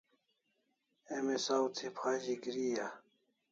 Emi saw thi phazi gri a